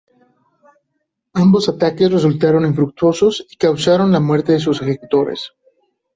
Ambos ataques resultaron infructuosos y causaron la muerte de sus ejecutores.